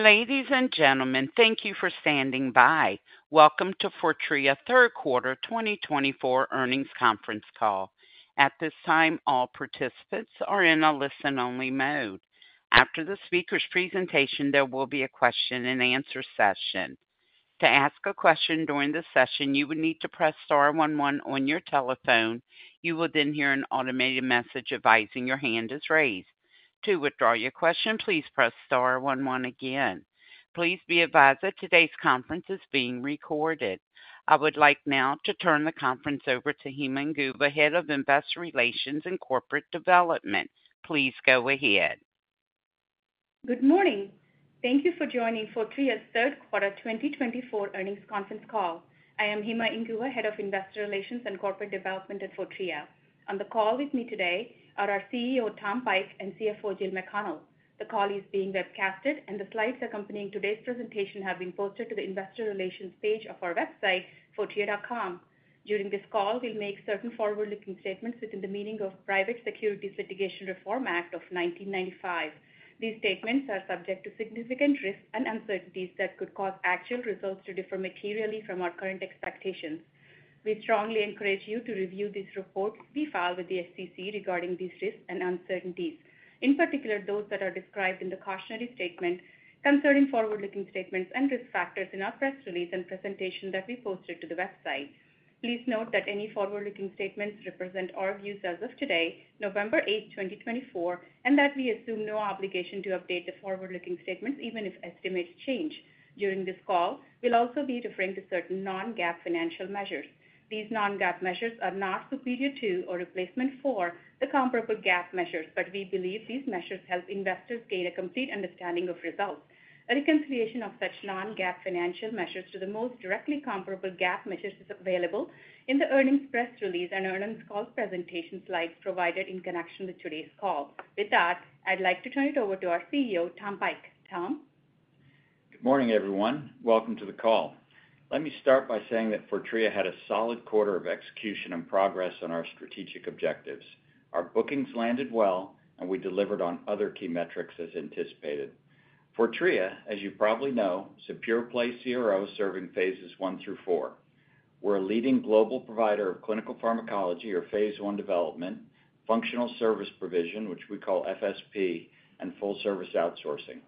Ladies and gentlemen, thank you for standing by. Welcome to Fortrea Third Quarter 2024 earnings conference call. At this time, all participants are in a listen-only mode. After the speaker's presentation, there will be a question-and-answer session. To ask a question during the session, you would need to press star one one on your telephone. You will then hear an automated message advising your hand is raised. To withdraw your question, please press star one one again. Please be advised that today's conference is being recorded. I would like now to turn the conference over to Hima Inguva, Head of Investor Relations and Corporate Development. Please go ahead. Good morning. Thank you for joining Fortrea's Third Quarter 2024 earnings conference call. I am Hima Inguva, Head of Investor Relations and Corporate Development at Fortrea. On the call with me today are our CEO, Tom Pike, and CFO, Jill McConnell. The call is being webcasted, and the slides accompanying today's presentation have been posted to the Investor Relations page of our website, fortrea.com. During this call, we'll make certain forward-looking statements within the meaning of Private Securities Litigation Reform Act of 1995. These statements are subject to significant risks and uncertainties that could cause actual results to differ materially from our current expectations. We strongly encourage you to review these reports we file with the SEC regarding these risks and uncertainties, in particular those that are described in the cautionary statement concerning forward-looking statements and risk factors in our press release and presentation that we posted to the website. Please note that any forward-looking statements represent our views as of today, November 8, 2024, and that we assume no obligation to update the forward-looking statements even if estimates change. During this call, we'll also be referring to certain non-GAAP financial measures. These non-GAAP measures are not superior to or replacement for the comparable GAAP measures, but we believe these measures help investors gain a complete understanding of results. A reconciliation of such non-GAAP financial measures to the most directly comparable GAAP measures is available in the earnings press release and earnings call presentation slides provided in connection with today's call. With that, I'd like to turn it over to our CEO, Tom Pike. Tom? Good morning, everyone. Welcome to the call. Let me start by saying that Fortrea had a solid quarter of execution and progress on our strategic objectives. Our bookings landed well, and we delivered on other key metrics as anticipated. Fortrea, as you probably know, is a pure-play CRO serving phases I through phase IV. We're a leading global provider of clinical pharmacology, or phase I development, functional service provision, which we call FSP, and full-service outsourcing.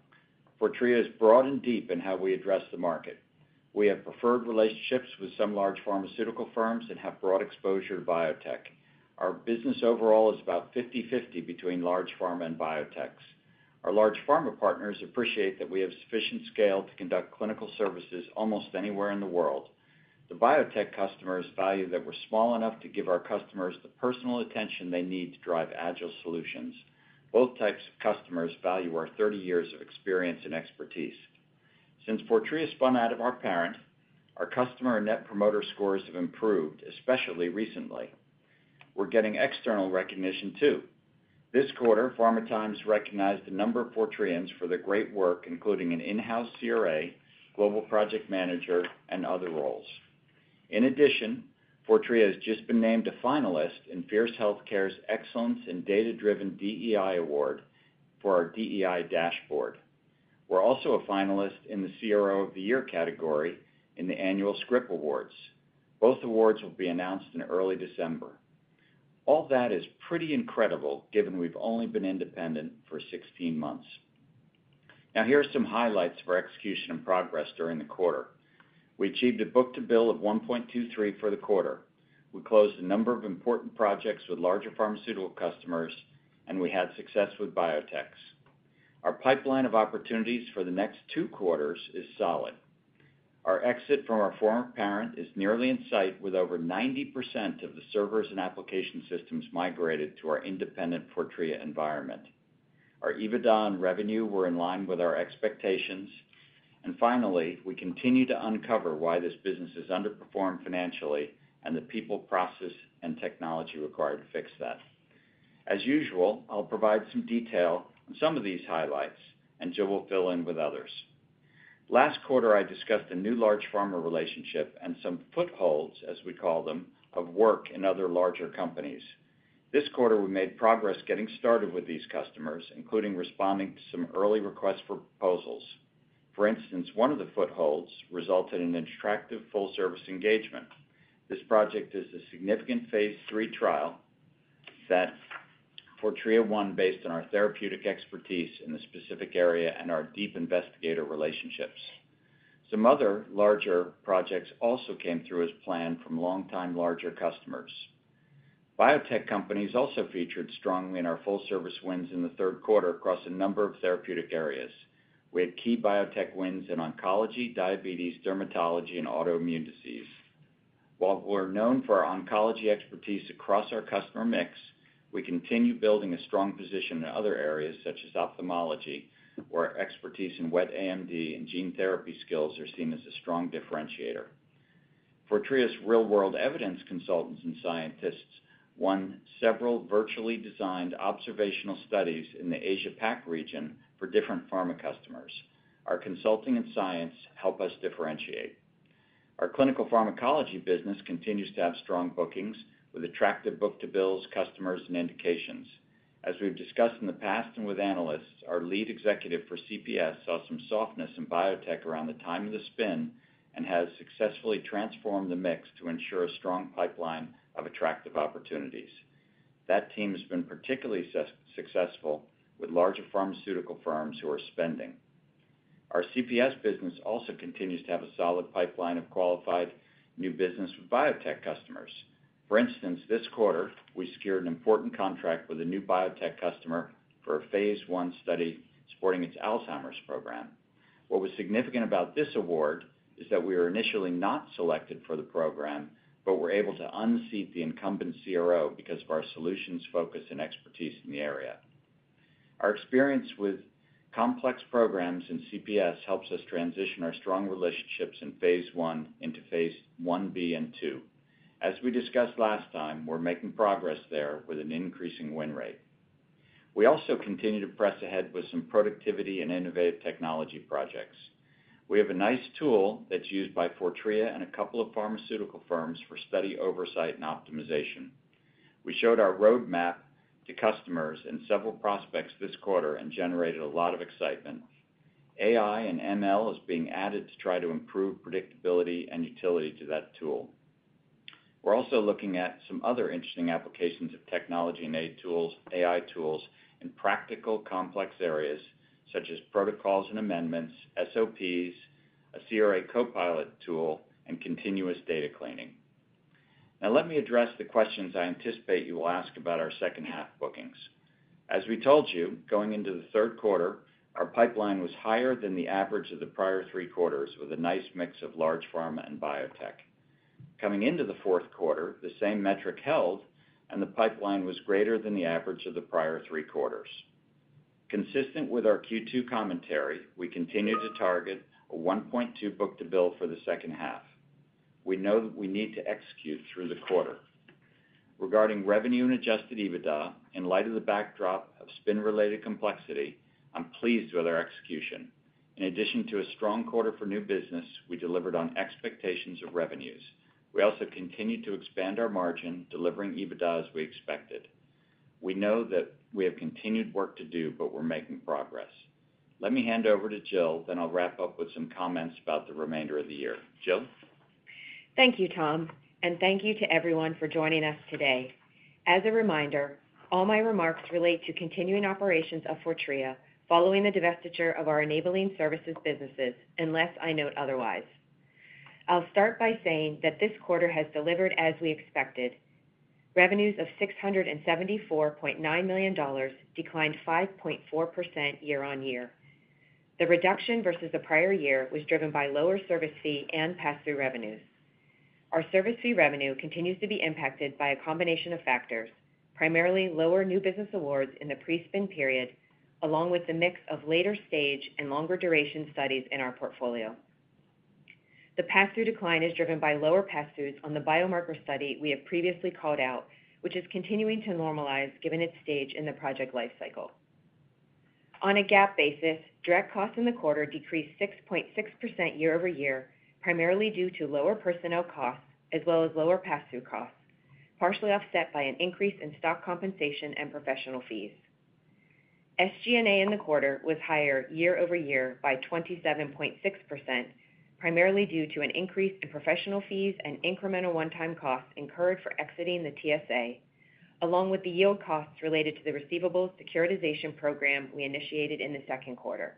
Fortrea is broad and deep in how we address the market. We have preferred relationships with some large pharmaceutical firms and have broad exposure to biotech. Our business overall is about 50/50 between large pharma and biotechs. Our large pharma partners appreciate that we have sufficient scale to conduct clinical services almost anywhere in the world. The biotech customers value that we're small enough to give our customers the personal attention they need to drive agile solutions. Both types of customers value our 30 years of experience and expertise. Since Fortrea spun out of our parent, our customer and net promoter scores have improved, especially recently. We're getting external recognition too. This quarter, PharmaTimes recognized a number of Fortreans for their great work, including an in-house CRA, global project manager, and other roles. In addition, Fortrea has just been named a finalist in Fierce Healthcare's Excellence in Data-Driven DEI Award for our DEI dashboard. We're also a finalist in the CRO of the Year category in the Annual Scrip Awards. Both awards will be announced in early December. All that is pretty incredible given we've only been independent for 16 months. Now, here are some highlights for execution and progress during the quarter. We achieved a book-to-bill of 1.23x for the quarter. We closed a number of important projects with larger pharmaceutical customers, and we had success with biotechs. Our pipeline of opportunities for the next two quarters is solid. Our exit from our former parent is nearly in sight with over 90% of the servers and application systems migrated to our independent Fortrea environment. Our EBITDA and revenue were in line with our expectations. And finally, we continue to uncover why this business has underperformed financially and the people, process, and technology required to fix that. As usual, I'll provide some detail on some of these highlights, and Jill will fill in with others. Last quarter, I discussed a new large pharma relationship and some footholds, as we call them, of work in other larger companies. This quarter, we made progress getting started with these customers, including responding to some early requests for proposals. For instance, one of the footholds resulted in an attractive full-service engagement. This project is a significant phase III trial that Fortrea won based on our therapeutic expertise in the specific area and our deep investigator relationships. Some other larger projects also came through as planned from longtime larger customers. Biotech companies also featured strongly in our full-service wins in the third quarter across a number of therapeutic areas. We had key biotech wins in oncology, diabetes, dermatology, and autoimmune disease. While we're known for our oncology expertise across our customer mix, we continue building a strong position in other areas such as ophthalmology, where expertise in wet AMD and gene therapy skills are seen as a strong differentiator. Fortrea's real-world evidence consultants and scientists won several virtually designed observational studies in the Asia-Pac region for different pharma customers. Our consulting and science help us differentiate. Our clinical pharmacology business continues to have strong bookings with attractive book-to-bills, customers, and indications. As we've discussed in the past and with analysts, our lead executive for CPS saw some softness in biotech around the time of the spin and has successfully transformed the mix to ensure a strong pipeline of attractive opportunities. That team has been particularly successful with larger pharmaceutical firms who are spending. Our CPS business also continues to have a solid pipeline of qualified new business with biotech customers. For instance, this quarter, we secured an important contract with a new biotech customer for a phase I study supporting its Alzheimer's program. What was significant about this award is that we were initially not selected for the program, but we're able to unseat the incumbent CRO because of our solutions focus and expertise in the area. Our experience with complex programs in CPS helps us transition our strong relationships in phase I into phase I-b and II. As we discussed last time, we're making progress there with an increasing win rate. We also continue to press ahead with some productivity and innovative technology projects. We have a nice tool that's used by Fortrea and a couple of pharmaceutical firms for study oversight and optimization. We showed our roadmap to customers and several prospects this quarter and generated a lot of excitement. AI and ML are being added to try to improve predictability and utility to that tool. We're also looking at some other interesting applications of technology and AI tools in practical complex areas such as protocols and amendments, SOPs, a CRA copilot tool, and continuous data cleaning. Now, let me address the questions I anticipate you will ask about our second-half bookings. As we told you, going into the third quarter, our pipeline was higher than the average of the prior three quarters with a nice mix of large pharma and biotech. Coming into the fourth quarter, the same metric held, and the pipeline was greater than the average of the prior three quarters. Consistent with our Q2 commentary, we continue to target a 1.2x book-to-bill for the second half. We know that we need to execute through the quarter. Regarding revenue and adjusted EBITDA, in light of the backdrop of spin-related complexity, I'm pleased with our execution. In addition to a strong quarter for new business, we delivered on expectations of revenues. We also continued to expand our margin, delivering EBITDA as we expected. We know that we have continued work to do, but we're making progress. Let me hand over to Jill, then I'll wrap up with some comments about the remainder of the year. Jill? Thank you, Tom, and thank you to everyone for joining us today. As a reminder, all my remarks relate to continuing operations of Fortrea following the divestiture of our enabling services businesses, unless I note otherwise. I'll start by saying that this quarter has delivered as we expected. Revenues of $674.9 million declined 5.4% year-on-year. The reduction versus the prior year was driven by lower service fee and pass-through revenues. Our service fee revenue continues to be impacted by a combination of factors, primarily lower new business awards in the pre-spin period, along with the mix of later stage and longer duration studies in our portfolio. The pass-through decline is driven by lower pass-throughs on the biomarker study we have previously called out, which is continuing to normalize given its stage in the project life cycle. On a GAAP basis, direct costs in the quarter decreased 6.6% year over year, primarily due to lower personnel costs as well as lower pass-through costs, partially offset by an increase in stock compensation and professional fees. SG&A in the quarter was higher year over year by 27.6%, primarily due to an increase in professional fees and incremental one-time costs incurred for exiting the TSA, along with the yield costs related to the receivables securitization program we initiated in the second quarter.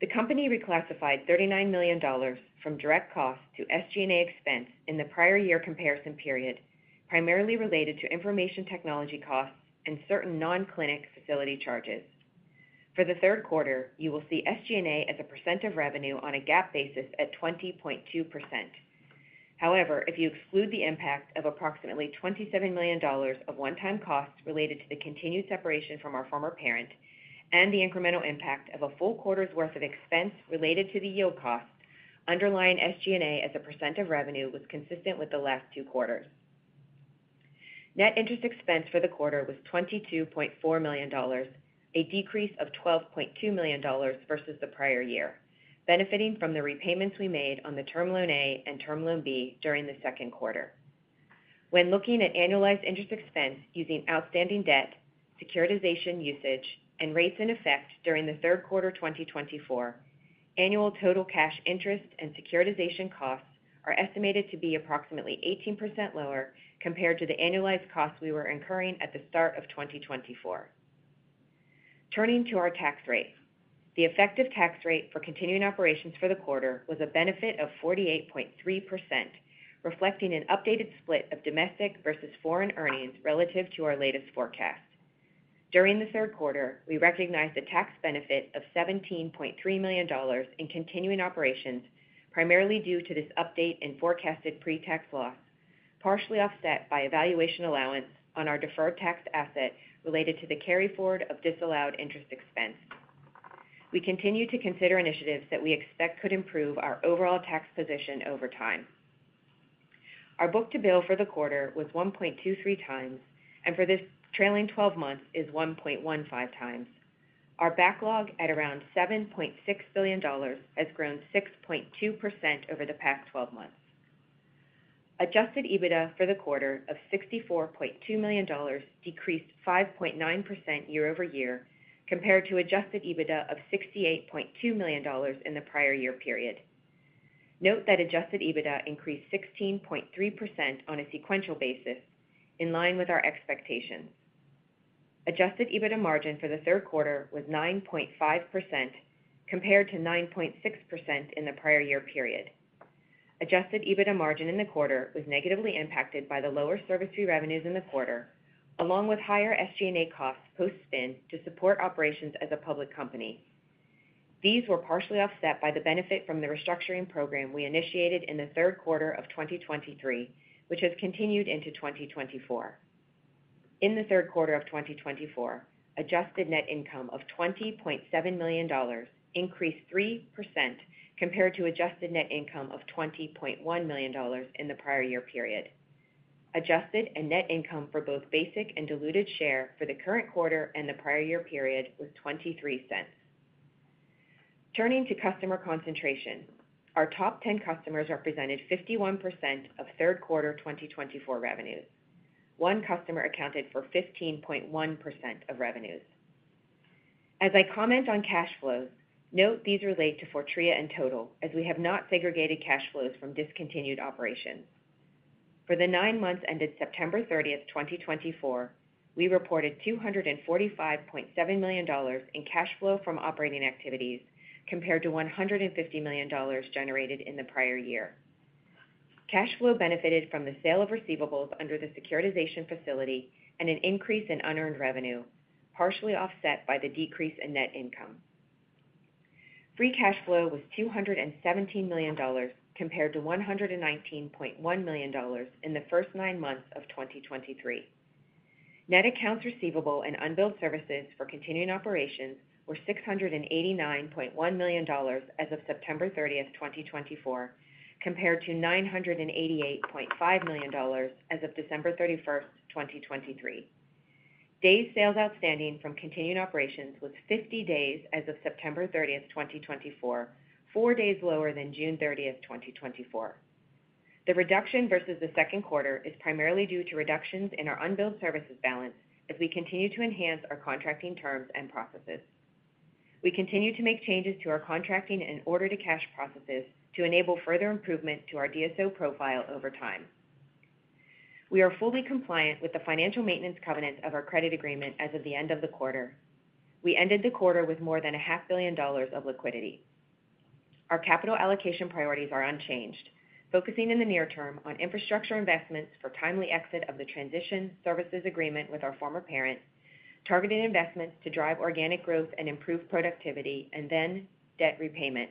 The company reclassified $39 million from direct costs to SG&A expense in the prior year comparison period, primarily related to information technology costs and certain non-clinic facility charges. For the third quarter, you will see SG&A as a percent of revenue on a GAAP basis at 20.2%. However, if you exclude the impact of approximately $27 million of one-time costs related to the continued separation from our former parent and the incremental impact of a full quarter's worth of expense related to the yield costs, underlying SG&A as a percent of revenue was consistent with the last two quarters. Net interest expense for the quarter was $22.4 million, a decrease of $12.2 million versus the prior year, benefiting from the repayments we made on the Term Loan A and Term Loan B during the second quarter. When looking at annualized interest expense using outstanding debt, securitization usage, and rates in effect during the third quarter 2024, annual total cash interest and securitization costs are estimated to be approximately 18% lower compared to the annualized costs we were incurring at the start of 2024. Turning to our tax rate, the effective tax rate for continuing operations for the quarter was a benefit of 48.3%, reflecting an updated split of domestic versus foreign earnings relative to our latest forecast. During the third quarter, we recognized a tax benefit of $17.3 million in continuing operations, primarily due to this update in forecasted pre-tax loss, partially offset by evaluation allowance on our deferred tax asset related to the carry forward of disallowed interest expense. We continue to consider initiatives that we expect could improve our overall tax position over time. Our book-to-bill for the quarter was 1.23x, and for this trailing 12 months is 1.15x. Our backlog at around $7.6 billion has grown 6.2% over the past 12 months. Adjusted EBITDA for the quarter of $64.2 million decreased 5.9% year over year compared to adjusted EBITDA of $68.2 million in the prior year period. Note that adjusted EBITDA increased 16.3% on a sequential basis, in line with our expectations. Adjusted EBITDA margin for the third quarter was 9.5% compared to 9.6% in the prior year period. Adjusted EBITDA margin in the quarter was negatively impacted by the lower service fee revenues in the quarter, along with higher SG&A costs post-spin to support operations as a public company. These were partially offset by the benefit from the restructuring program we initiated in the third quarter of 2023, which has continued into 2024. In the third quarter of 2024, adjusted net income of $20.7 million increased 3% compared to adjusted net income of $20.1 million in the prior year period. Adjusted net income for both basic and diluted share for the current quarter and the prior year period was $0.23. Turning to customer concentration, our top 10 customers represented 51% of third quarter 2024 revenues. One customer accounted for 15.1% of revenues. As I comment on cash flows, note these relate to Fortrea in total, as we have not segregated cash flows from discontinued operations. For the nine months ended September 30th, 2024, we reported $245.7 million in cash flow from operating activities compared to $150 million generated in the prior year. Cash flow benefited from the sale of receivables under the securitization facility and an increase in unearned revenue, partially offset by the decrease in net income. Free cash flow was $217 million compared to $119.1 million in the first nine months of 2023. Net accounts receivable and unbilled services for continuing operations were $689.1 million as of September 30th, 2024, compared to $988.5 million as of December 31st, 2023. Days Sales Outstanding from continuing operations was 50 days as of September 30th, 2024, four days lower than June 30th, 2024. The reduction versus the second quarter is primarily due to reductions in our unbilled services balance as we continue to enhance our contracting terms and processes. We continue to make changes to our contracting and order-to-cash processes to enable further improvement to our DSO profile over time. We are fully compliant with the financial maintenance covenants of our credit agreement as of the end of the quarter. We ended the quarter with more than $500 million of liquidity. Our capital allocation priorities are unchanged, focusing in the near term on infrastructure investments for timely exit of the transition services agreement with our former parent, targeted investments to drive organic growth and improve productivity, and then debt repayment.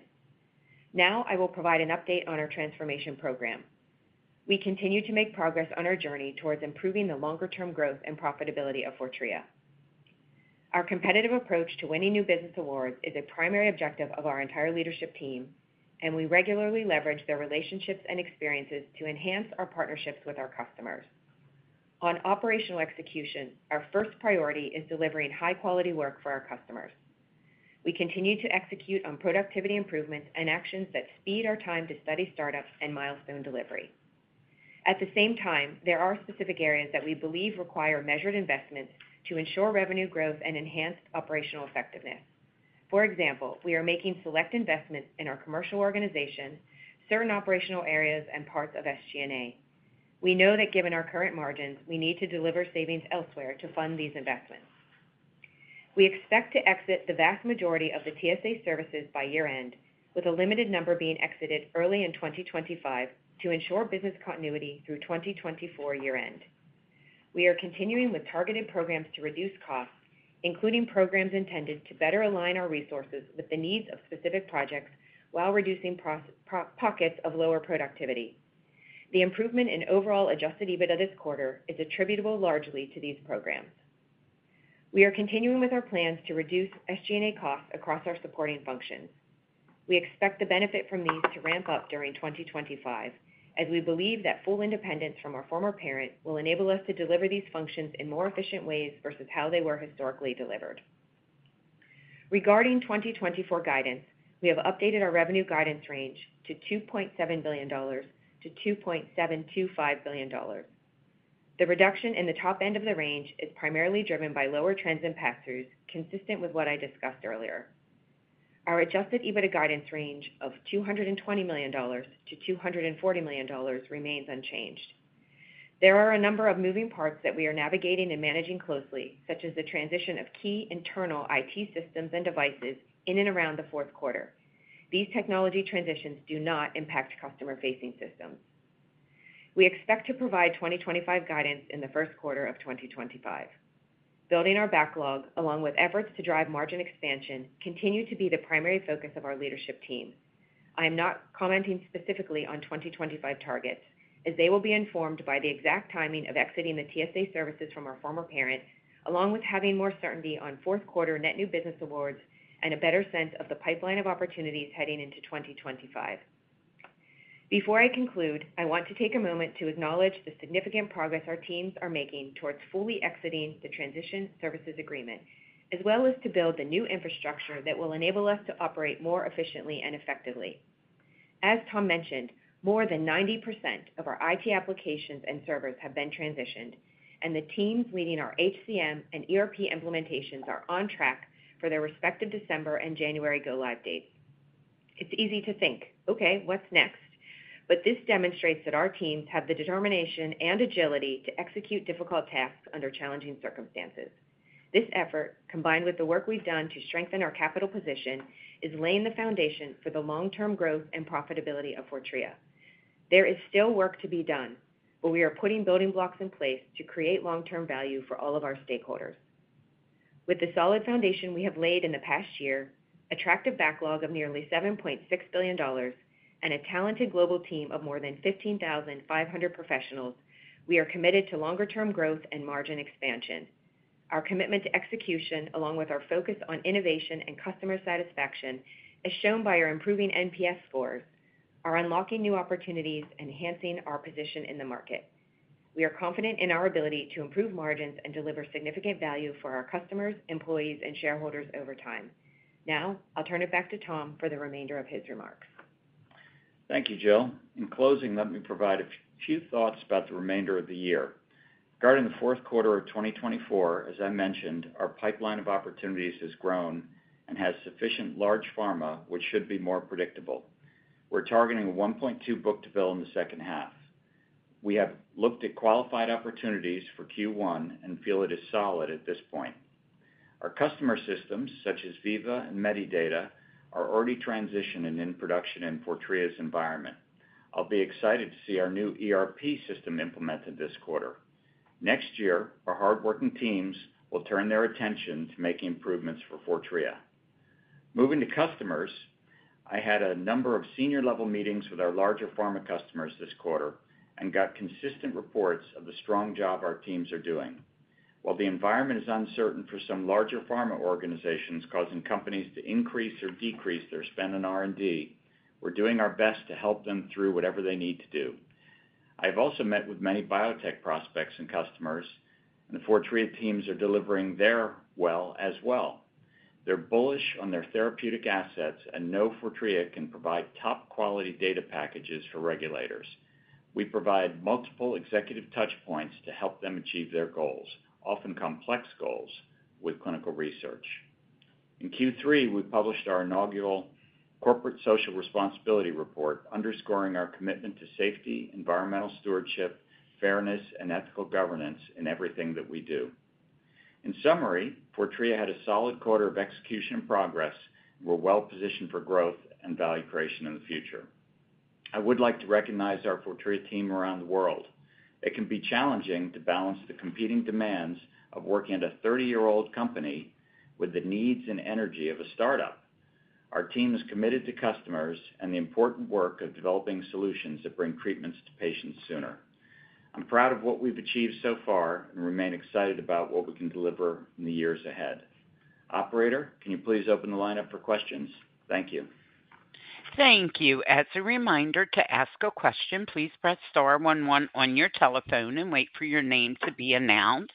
Now, I will provide an update on our transformation program. We continue to make progress on our journey towards improving the longer-term growth and profitability of Fortrea. Our competitive approach to winning new business awards is a primary objective of our entire leadership team, and we regularly leverage their relationships and experiences to enhance our partnerships with our customers. On operational execution, our first priority is delivering high-quality work for our customers. We continue to execute on productivity improvements and actions that speed our time to study startups and milestone delivery. At the same time, there are specific areas that we believe require measured investments to ensure revenue growth and enhanced operational effectiveness. For example, we are making select investments in our commercial organization, certain operational areas, and parts of SG&A. We know that given our current margins, we need to deliver savings elsewhere to fund these investments. We expect to exit the vast majority of the TSA services by year-end, with a limited number being exited early in 2025 to ensure business continuity through 2024 year-end. We are continuing with targeted programs to reduce costs, including programs intended to better align our resources with the needs of specific projects while reducing pockets of lower productivity. The improvement in overall adjusted EBITDA this quarter is attributable largely to these programs. We are continuing with our plans to reduce SG&A costs across our supporting functions. We expect the benefit from these to ramp up during 2025, as we believe that full independence from our former parent will enable us to deliver these functions in more efficient ways versus how they were historically delivered. Regarding 2024 guidance, we have updated our revenue guidance range to $2.7 billion-$2.725 billion. The reduction in the top end of the range is primarily driven by lower trends and pass-throughs, consistent with what I discussed earlier. Our adjusted EBITDA guidance range of $220 million-$240 million remains unchanged. There are a number of moving parts that we are navigating and managing closely, such as the transition of key internal IT systems and devices in and around the fourth quarter. These technology transitions do not impact customer-facing systems. We expect to provide 2025 guidance in the first quarter of 2025. Building our backlog, along with efforts to drive margin expansion, continues to be the primary focus of our leadership team. I am not commenting specifically on 2025 targets, as they will be informed by the exact timing of exiting the TSA services from our former parent, along with having more certainty on fourth quarter net new business awards and a better sense of the pipeline of opportunities heading into 2025. Before I conclude, I want to take a moment to acknowledge the significant progress our teams are making towards fully exiting the transition services agreement, as well as to build the new infrastructure that will enable us to operate more efficiently and effectively. As Tom mentioned, more than 90% of our IT applications and servers have been transitioned, and the teams leading our HCM and ERP implementations are on track for their respective December and January go-live dates. It's easy to think, "Okay, what's next?" But this demonstrates that our teams have the determination and agility to execute difficult tasks under challenging circumstances. This effort, combined with the work we've done to strengthen our capital position, is laying the foundation for the long-term growth and profitability of Fortrea. There is still work to be done, but we are putting building blocks in place to create long-term value for all of our stakeholders. With the solid foundation we have laid in the past year, attractive backlog of nearly $7.6 billion, and a talented global team of more than 15,500 professionals, we are committed to longer-term growth and margin expansion. Our commitment to execution, along with our focus on innovation and customer satisfaction, is shown by our improving NPS scores, our unlocking new opportunities, and enhancing our position in the market. We are confident in our ability to improve margins and deliver significant value for our customers, employees, and shareholders over time. Now, I'll turn it back to Tom for the remainder of his remarks. Thank you, Jill. In closing, let me provide a few thoughts about the remainder of the year. Regarding the fourth quarter of 2024, as I mentioned, our pipeline of opportunities has grown and has sufficient large pharma, which should be more predictable. We're targeting a 1.2x book-to-bill in the second half. We have looked at qualified opportunities for Q1 and feel it is solid at this point. Our customer systems, such as Veeva and Medidata, are already transitioned and in production in Fortrea's environment. I'll be excited to see our new ERP system implemented this quarter. Next year, our hardworking teams will turn their attention to making improvements for Fortrea. Moving to customers, I had a number of senior-level meetings with our larger pharma customers this quarter and got consistent reports of the strong job our teams are doing. While the environment is uncertain for some larger pharma organizations causing companies to increase or decrease their spend on R&D, we're doing our best to help them through whatever they need to do. I have also met with many biotech prospects and customers, and the Fortrea teams are delivering there well as well. They're bullish on their therapeutic assets, and they know Fortrea can provide top-quality data packages for regulators. We provide multiple executive touchpoints to help them achieve their goals, often complex goals, with clinical research. In Q3, we published our inaugural corporate social responsibility report, underscoring our commitment to safety, environmental stewardship, fairness, and ethical governance in everything that we do. In summary, Fortrea had a solid quarter of execution and progress, and we're well-positioned for growth and value creation in the future. I would like to recognize our Fortrea team around the world. It can be challenging to balance the competing demands of working at a 30-year-old company with the needs and energy of a startup. Our team is committed to customers and the important work of developing solutions that bring treatments to patients sooner. I'm proud of what we've achieved so far and remain excited about what we can deliver in the years ahead. Operator, can you please open the lineup for questions? Thank you. Thank you. As a reminder to ask a question, please press star one one on your telephone and wait for your name to be announced.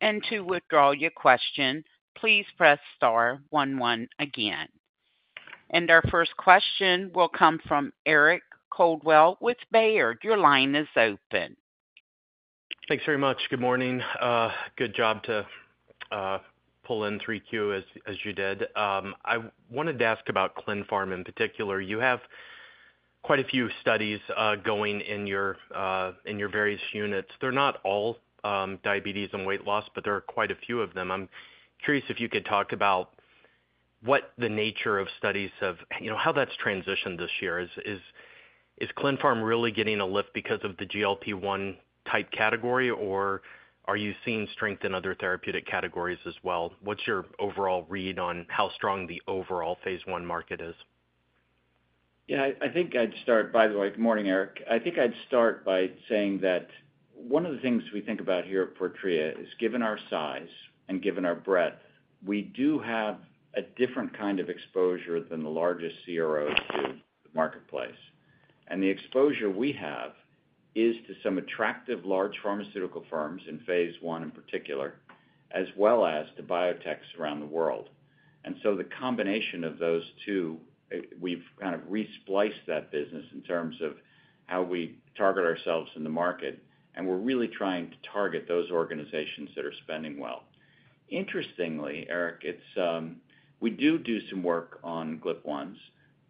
And to withdraw your question, please press star one one again. And our first question will come from Eric Coldwell with Baird. Your line is open. Thanks very much. Good morning. Good job to pull in 3Q, as you did. I wanted to ask about clinical pharmacology in particular. You have quite a few studies going in your various units. They're not all diabetes and weight loss, but there are quite a few of them. I'm curious if you could talk about what the nature of studies of how that's transitioned this year. Is clinical pharmacology really getting a lift because of the GLP-1 type category, or are you seeing strength in other therapeutic categories as well? What's your overall read on how strong the overall phase I market is? Yeah, I think I'd start, by the way, good morning, Eric. I think I'd start by saying that one of the things we think about here at Fortrea is, given our size and given our breadth, we do have a different kind of exposure than the largest CROs do in the marketplace. And the exposure we have is to some attractive large pharmaceutical firms in phase I in particular, as well as to biotechs around the world. And so the combination of those two, we've kind of repriced that business in terms of how we target ourselves in the market, and we're really trying to target those organizations that are spending well. Interestingly, Eric, we do do some work on GLP-1s,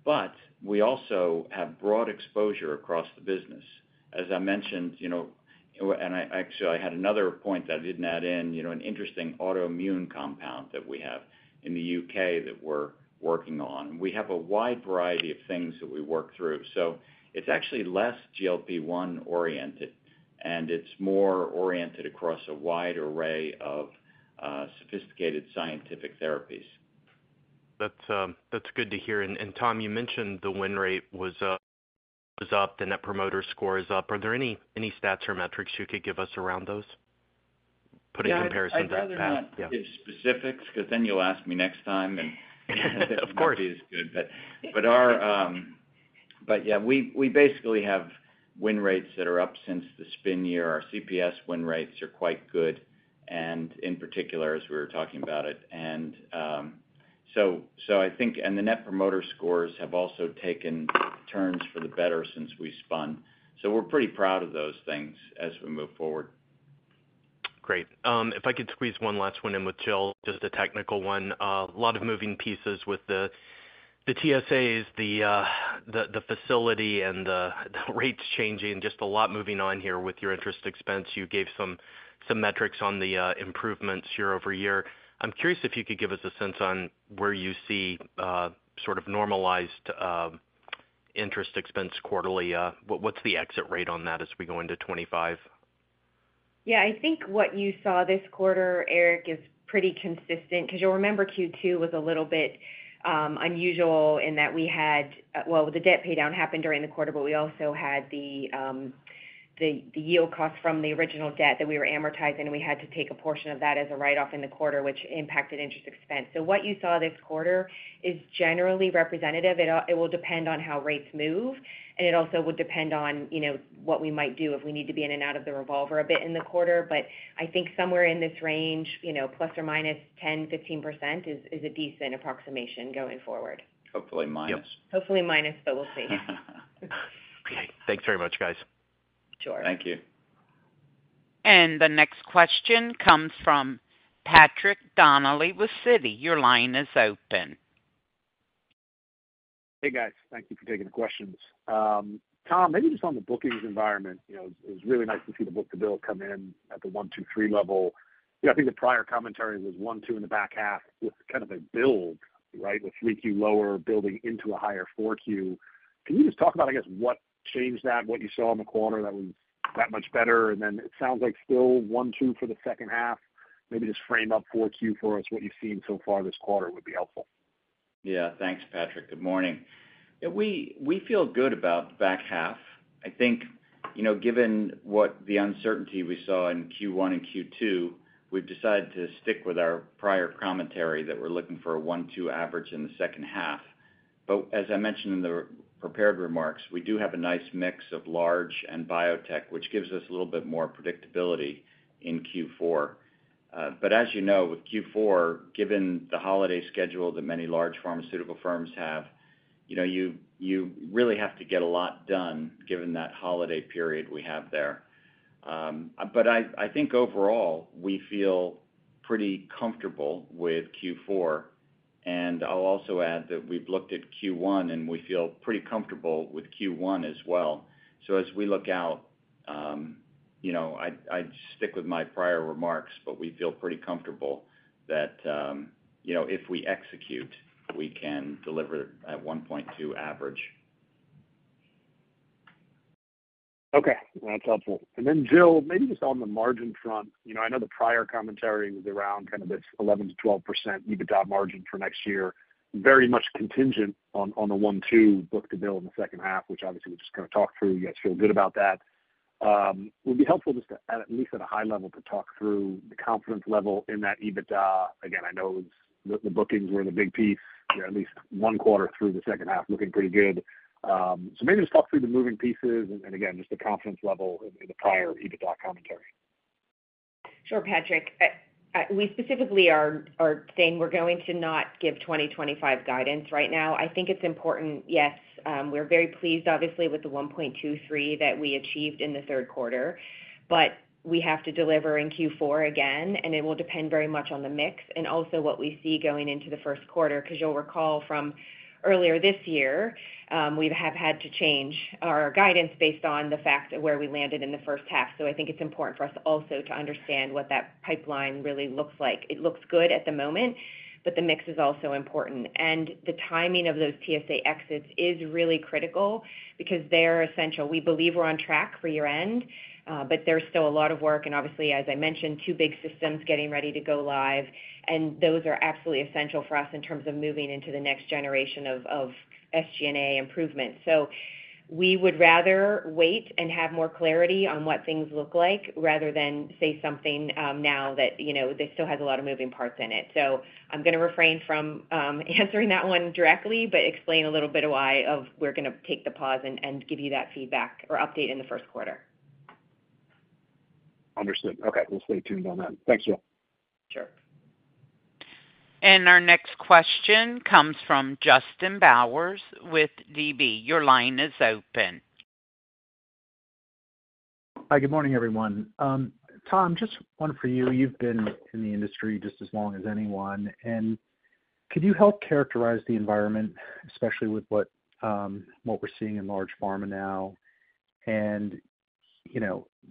but we also have broad exposure across the business. As I mentioned, and actually, I had another point that I didn't add in, an interesting autoimmune compound that we have in the U.K. that we're working on. We have a wide variety of things that we work through. So it's actually less GLP-1 oriented, and it's more oriented across a wide array of sophisticated scientific therapies. That's good to hear. And Tom, you mentioned the win rate was up, the net promoter score is up. Are there any stats or metrics you could give us around those, putting comparison back to back? Yeah. I'd rather not give specifics because then you'll ask me next time, and that would be as good. But yeah, we basically have win rates that are up since the spin year. Our CPS win rates are quite good, and in particular, as we were talking about it. And so I think, and the net promoter scores have also taken turns for the better since we spun. So we're pretty proud of those things as we move forward. Great. If I could squeeze one last one in with Jill, just a technical one. A lot of moving pieces with the TSAs, the facility, and the rates changing, just a lot moving on here with your interest expense. You gave some metrics on the improvements year over year. I'm curious if you could give us a sense on where you see sort of normalized interest expense quarterly. What's the exit rate on that as we go into 2025? Yeah, I think what you saw this quarter, Eric, is pretty consistent because you'll remember Q2 was a little bit unusual in that we had, well, the debt paydown happened during the quarter, but we also had the OID cost from the original debt that we were amortizing, and we had to take a portion of that as a write-off in the quarter, which impacted interest expense. So what you saw this quarter is generally representative. It will depend on how rates move, and it also would depend on what we might do if we need to be in and out of the revolver a bit in the quarter. But I think somewhere in this range, ±10%-±15% is a decent approximation going forward. Hopefully minus. Yep. Hopefully minus, but we'll see. Okay. Thanks very much, guys. Sure. Thank you. And the next question comes from Patrick Donnelly with Citi. Your line is open. Hey, guys. Thank you for taking the questions. Tom, maybe just on the bookings environment, it was really nice to see the book-to-bill come in at the 1.23x level. I think the prior commentary was 1.2x in the back half with kind of a build, right, with 3Q lower building into a higher 4Q. Can you just talk about, I guess, what changed that, what you saw in the quarter that was that much better? And then it sounds like still 1.2x for the second half. Maybe just frame up 4Q for us, what you've seen so far this quarter would be helpful. Yeah. Thanks, Patrick. Good morning. We feel good about the back half. I think given what the uncertainty we saw in Q1 and Q2, we've decided to stick with our prior commentary that we're looking for a 1.2x average in the second half. But as I mentioned in the prepared remarks, we do have a nice mix of large and biotech, which gives us a little bit more predictability in Q4. But as you know, with Q4, given the holiday schedule that many large pharmaceutical firms have, you really have to get a lot done given that holiday period we have there. But I think overall, we feel pretty comfortable with Q4. And I'll also add that we've looked at Q1, and we feel pretty comfortable with Q1 as well. So as we look out, I'd stick with my prior remarks, but we feel pretty comfortable that if we execute, we can deliver at 1.2x average. Okay. That's helpful. And then, Jill, maybe just on the margin front, I know the prior commentary was around kind of this 11%-12% EBITDA margin for next year, very much contingent on the 1.2x book-to-bill in the second half, which obviously we just kind of talked through. You guys feel good about that. It would be helpful just to, at least at a high level, to talk through the confidence level in that EBITDA. Again, I know the bookings were the big piece, at least one quarter through the second half looking pretty good. So maybe just talk through the moving pieces and, again, just the confidence level in the prior EBITDA commentary. Sure, Patrick. We specifically are saying we're going to not give 2025 guidance right now. I think it's important, yes, we're very pleased, obviously, with the 1.23x that we achieved in the third quarter, but we have to deliver in Q4 again, and it will depend very much on the mix and also what we see going into the first quarter. Because you'll recall from earlier this year, we have had to change our guidance based on the fact of where we landed in the first half. So I think it's important for us also to understand what that pipeline really looks like. It looks good at the moment, but the mix is also important. And the timing of those TSA exits is really critical because they're essential. We believe we're on track for year-end, but there's still a lot of work. And obviously, as I mentioned, two big systems getting ready to go live, and those are absolutely essential for us in terms of moving into the next generation of SG&A improvement. So we would rather wait and have more clarity on what things look like rather than say something now that this still has a lot of moving parts in it. So I'm going to refrain from answering that one directly, but explain a little bit of why we're going to take the pause and give you that feedback or update in the first quarter. Understood. Okay. We'll stay tuned on that. Thanks, Jill. Sure. And our next question comes from Justin Bowers with DB. Your line is open. Hi, good morning, everyone. Tom, just one for you. You've been in the industry just as long as anyone. And could you help characterize the environment, especially with what we're seeing in large pharma now? And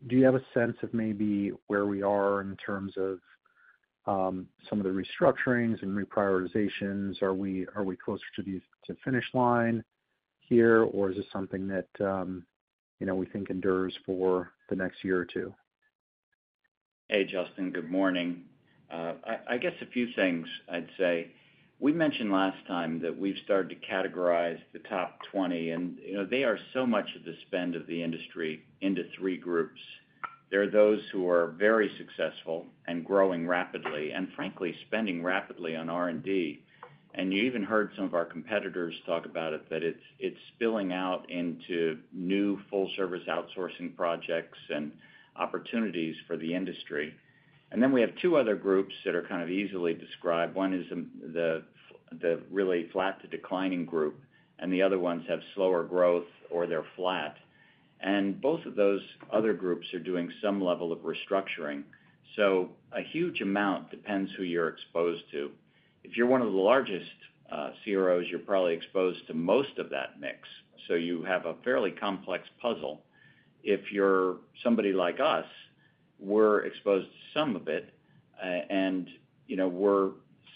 do you have a sense of maybe where we are in terms of some of the restructurings and reprioritizations? Are we closer to the finish line here, or is this something that we think endures for the next year or two? Hey, Justin, good morning. I guess a few things I'd say. We mentioned last time that we've started to categorize the top 20, and they are so much of the spend of the industry into three groups. There are those who are very successful and growing rapidly and, frankly, spending rapidly on R&D. And you even heard some of our competitors talk about it, that it's spilling out into new full-service outsourcing projects and opportunities for the industry. And then we have two other groups that are kind of easily described. One is the really flat to declining group, and the other ones have slower growth or they're flat. And both of those other groups are doing some level of restructuring. So a huge amount depends who you're exposed to. If you're one of the largest CROs, you're probably exposed to most of that mix. So you have a fairly complex puzzle. If you're somebody like us, we're exposed to some of it, and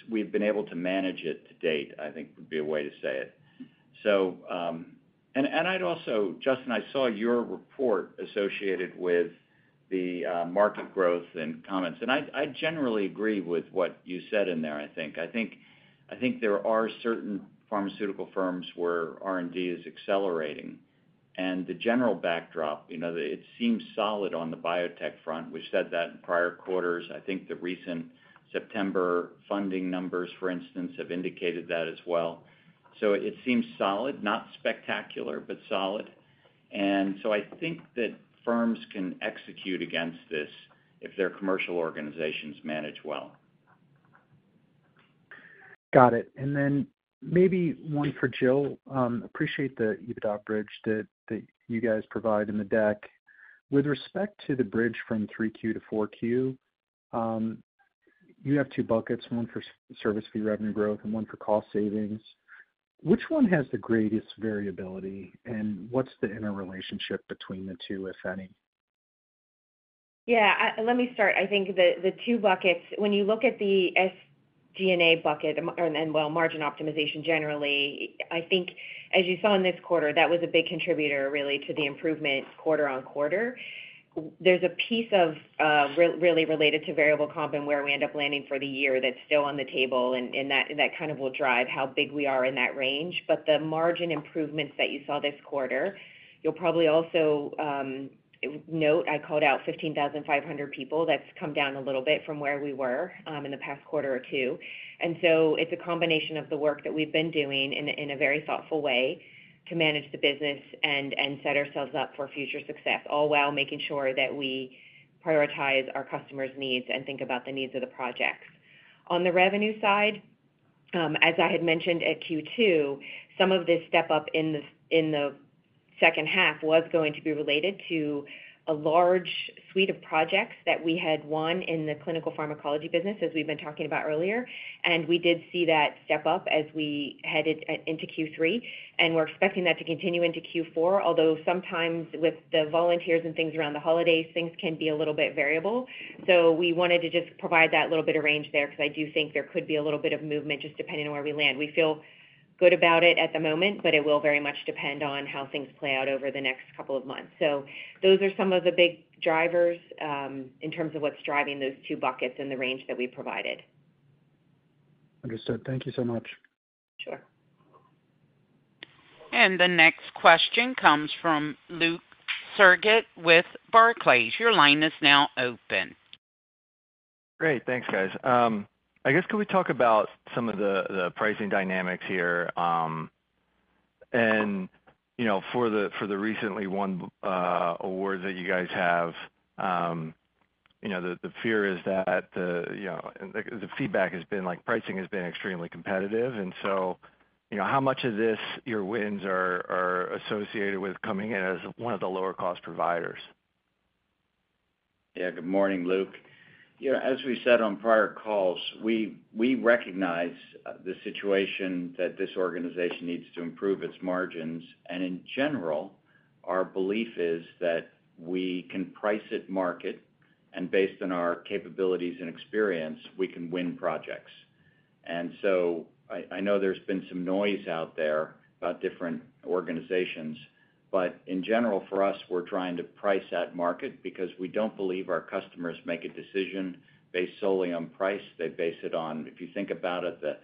we've been able to manage it to date, I think would be a way to say it. I'd also, Justin, I saw your report associated with the market growth and comments. I generally agree with what you said in there, I think. I think there are certain pharmaceutical firms where R&D is accelerating. The general backdrop, it seems solid on the biotech front. We said that in prior quarters. I think the recent September funding numbers, for instance, have indicated that as well. It seems solid, not spectacular, but solid. I think that firms can execute against this if their commercial organizations manage well. Got it. Then maybe one for Jill. I appreciate the EBITDA bridge that you guys provide in the deck. With respect to the bridge from 3Q to 4Q, you have two buckets, one for service fee revenue growth and one for cost savings. Which one has the greatest variability, and what's the interrelationship between the two, if any? Yeah. Let me start. I think the two buckets, when you look at the SG&A bucket and, well, margin optimization generally, I think, as you saw in this quarter, that was a big contributor really to the improvement quarter on quarter. There's a piece of really related to variable comp and where we end up landing for the year that's still on the table, and that kind of will drive how big we are in that range. But the margin improvements that you saw this quarter, you'll probably also note I called out 15,500 people. That's come down a little bit from where we were in the past quarter or two. And so it's a combination of the work that we've been doing in a very thoughtful way to manage the business and set ourselves up for future success, all while making sure that we prioritize our customers' needs and think about the needs of the projects. On the revenue side, as I had mentioned at Q2, some of this step-up in the second half was going to be related to a large suite of projects that we had won in the clinical pharmacology business, as we've been talking about earlier. And we did see that step-up as we headed into Q3, and we're expecting that to continue into Q4, although sometimes with the volunteers and things around the holidays, things can be a little bit variable. So we wanted to just provide that little bit of range there because I do think there could be a little bit of movement just depending on where we land. We feel good about it at the moment, but it will very much depend on how things play out over the next couple of months. So those are some of the big drivers in terms of what's driving those two buckets and the range that we provided. Understood. Thank you so much. Sure. And the next question comes from Luke Sergott with Barclays. Your line is now open. Great. Thanks, guys. I guess could we talk about some of the pricing dynamics here? And for the recently won awards that you guys have, the fear is that the feedback has been like pricing has been extremely competitive. And so how much of this, your wins are associated with coming in as one of the lower-cost providers? Yeah. Good morning, Luke. As we said on prior calls, we recognize the situation that this organization needs to improve its margins. And in general, our belief is that we can price it market, and based on our capabilities and experience, we can win projects. And so I know there's been some noise out there about different organizations, but in general, for us, we're trying to price that market because we don't believe our customers make a decision based solely on price. They base it on, if you think about it, the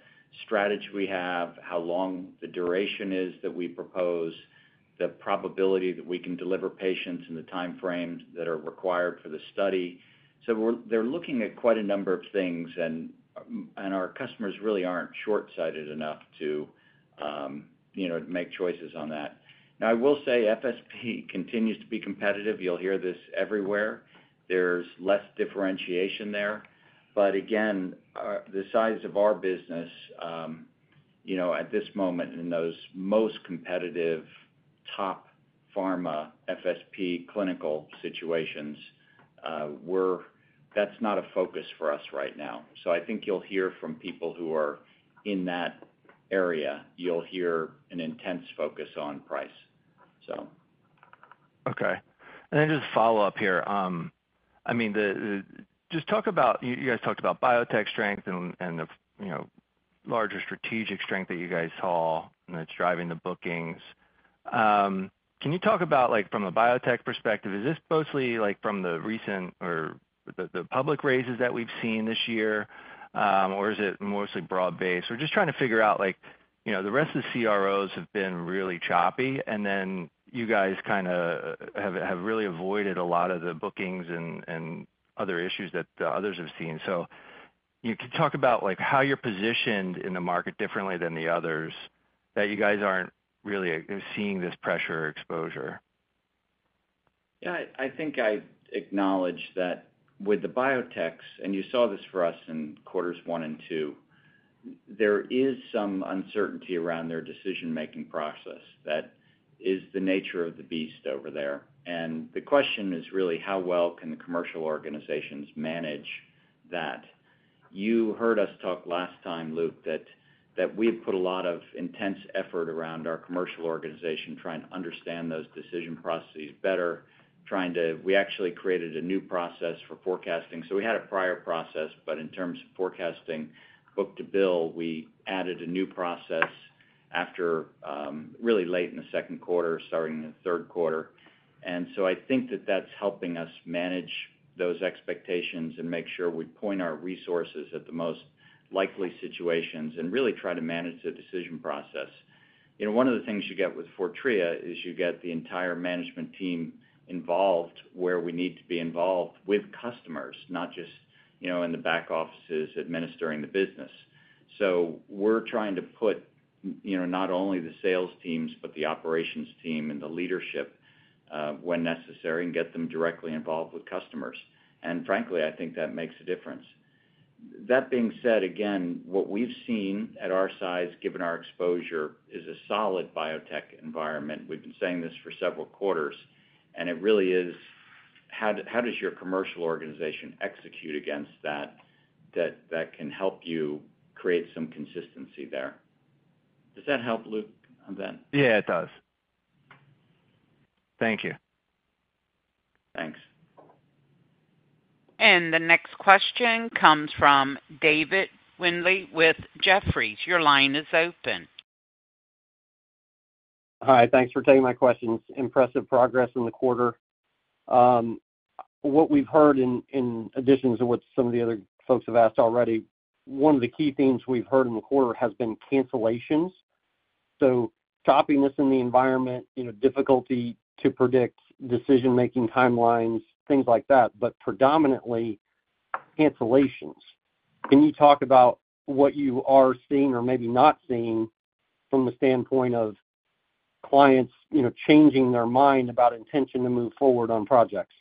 strategy we have, how long the duration is that we propose, the probability that we can deliver patients, and the time frames that are required for the study. So they're looking at quite a number of things, and our customers really aren't short-sighted enough to make choices on that. Now, I will say FSP continues to be competitive. You'll hear this everywhere. There's less differentiation there. But again, the size of our business at this moment in those most competitive top pharma FSP clinical situations, that's not a focus for us right now. So I think you'll hear from people who are in that area, you'll hear an intense focus on price, so. Okay. And then just follow up here. I mean, just talk about you guys talked about biotech strength and the larger strategic strength that you guys saw and that's driving the bookings. Can you talk about, from a biotech perspective, is this mostly from the recent or the public raises that we've seen this year, or is it mostly broad-based? We're just trying to figure out the rest of the CROs have been really choppy, and then you guys kind of have really avoided a lot of the bookings and other issues that others have seen. So can you talk about how you're positioned in the market differently than the others that you guys aren't really seeing this pressure or exposure? Yeah. I think I acknowledge that with the biotechs, and you saw this for us in quarters one and two, there is some uncertainty around their decision-making process. That is the nature of the beast over there. And the question is really, how well can the commercial organizations manage that? You heard us talk last time, Luke, that we have put a lot of intense effort around our commercial organization trying to understand those decision processes better, trying to. We actually created a new process for forecasting. So we had a prior process, but in terms of forecasting, book-to-bill, we added a new process really late in the second quarter, starting in the third quarter. And so I think that that's helping us manage those expectations and make sure we point our resources at the most likely situations and really try to manage the decision process. One of the things you get with Fortrea is you get the entire management team involved where we need to be involved with customers, not just in the back offices administering the business. So we're trying to put not only the sales teams, but the operations team and the leadership when necessary and get them directly involved with customers. And frankly, I think that makes a difference. That being said, again, what we've seen at our size, given our exposure, is a solid biotech environment. We've been saying this for several quarters, and it really is, how does your commercial organization execute against that that can help you create some consistency there? Does that help, Luke, on that? Yeah, it does. Thank you. Thanks. And the next question comes from David Windley with Jefferies. Your line is open. Hi. Thanks for taking my questions. Impressive progress in the quarter. What we've heard in addition to what some of the other folks have asked already, one of the key themes we've heard in the quarter has been cancellations. So choppiness in the environment, difficulty to predict decision-making timelines, things like that, but predominantly cancellations. Can you talk about what you are seeing or maybe not seeing from the standpoint of clients changing their mind about intention to move forward on projects?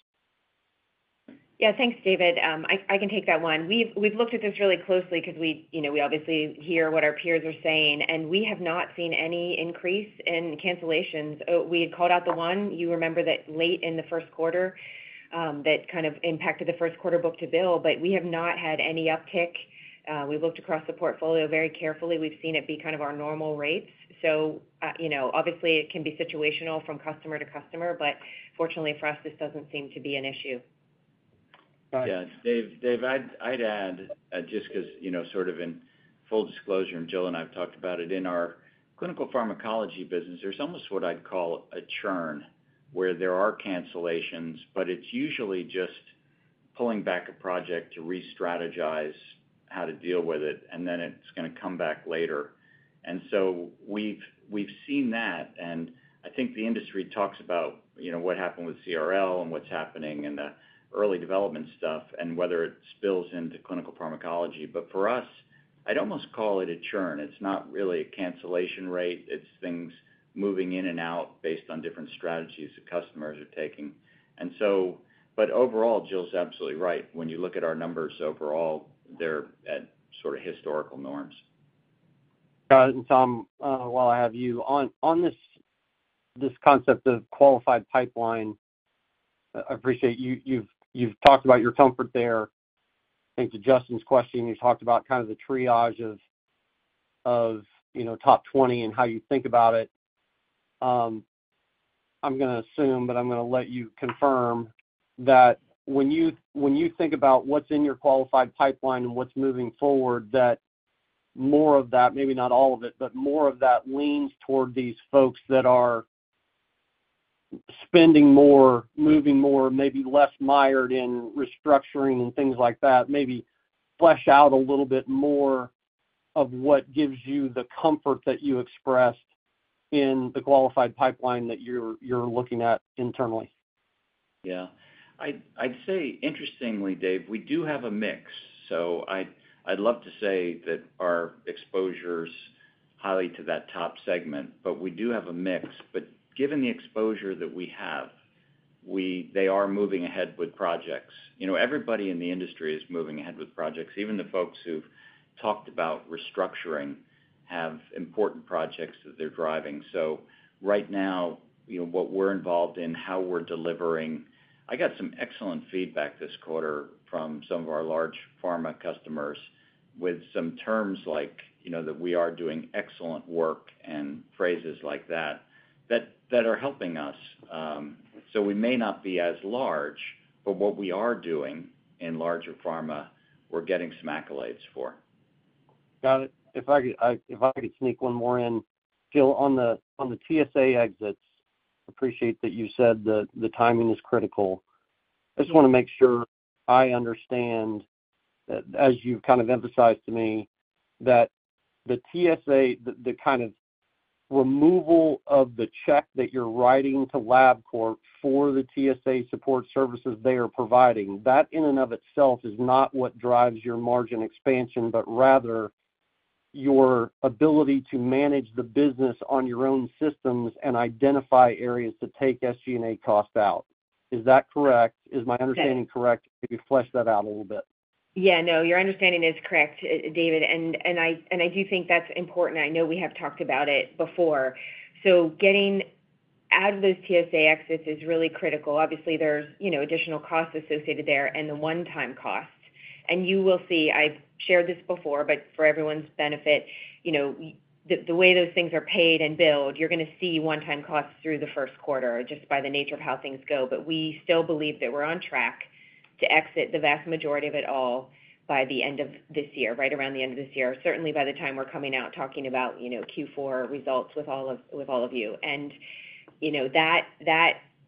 Yeah. Thanks, David. I can take that one. We've looked at this really closely because we obviously hear what our peers are saying, and we have not seen any increase in cancellations. We had called out the one, you remember that late in the first quarter that kind of impacted the first quarter book-to-bill, but we have not had any uptick. We looked across the portfolio very carefully. We've seen it be kind of our normal rates. So obviously, it can be situational from customer to customer, but fortunately for us, this doesn't seem to be an issue. Yeah. I'd add just because sort of in full disclosure, and Jill and I have talked about it, in our clinical pharmacology business, there's almost what I'd call a churn where there are cancellations, but it's usually just pulling back a project to restrategize how to deal with it, and then it's going to come back later. And so we've seen that, and I think the industry talks about what happened with CRL and what's happening in the early development stuff and whether it spills into clinical pharmacology. But for us, I'd almost call it a churn. It's not really a cancellation rate. It's things moving in and out based on different strategies that customers are taking. But overall, Jill's absolutely right. When you look at our numbers overall, they're at sort of historical norms. Got it. And Tom, while I have you, on this concept of qualified pipeline, I appreciate you've talked about your comfort there. I think to Justin's question, you talked about kind of the triage of top 20 and how you think about it. I'm going to assume, but I'm going to let you confirm that when you think about what's in your qualified pipeline and what's moving forward, that more of that, maybe not all of it, but more of that, leans toward these folks that are spending more, moving more, maybe less mired in restructuring and things like that, maybe flesh out a little bit more of what gives you the comfort that you expressed in the qualified pipeline that you're looking at internally. Yeah. I'd say, interestingly, Dave, we do have a mix. So I'd love to say that our exposure's highly to that top segment, but we do have a mix. But given the exposure that we have, they are moving ahead with projects. Everybody in the industry is moving ahead with projects. Even the folks who've talked about restructuring have important projects that they're driving. So right now, what we're involved in, how we're delivering, I got some excellent feedback this quarter from some of our large pharma customers with some terms like that we are doing excellent work and phrases like that that are helping us. So we may not be as large, but what we are doing in larger pharma, we're getting some accolades for. Got it. If I could sneak one more in, Jill, on the TSA exits, appreciate that you said the timing is critical. I just want to make sure I understand, as you've kind of emphasized to me, that the TSA, the kind of removal of the check that you're writing to Labcorp for the TSA support services they are providing, that in and of itself is not what drives your margin expansion, but rather your ability to manage the business on your own systems and identify areas to take SG&A cost out. Is that correct? Is my understanding correct? Maybe flesh that out a little bit. Yeah. No, your understanding is correct, David. And I do think that's important. I know we have talked about it before. So getting out of those TSA exits is really critical. Obviously, there's additional costs associated there and the one-time costs. And you will see (I've shared this before, but for everyone's benefit) the way those things are paid and billed. You're going to see one-time costs through the first quarter just by the nature of how things go. But we still believe that we're on track to exit the vast majority of it all by the end of this year, right around the end of this year, certainly by the time we're coming out talking about Q4 results with all of you. And that